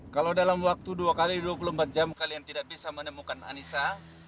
kalau dalam waktu dua x dua puluh empat jam kalian tidak bisa menemukan anissa